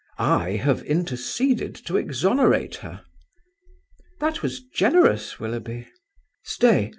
I have interceded to exonerate her." "That was generous, Willoughby." "Stay.